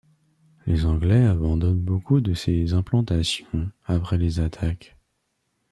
Les Anglais abandonnent beaucoup de ces implantations après les attaques.